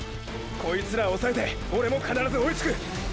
こいつらおさえてオレも必ず追いつく！！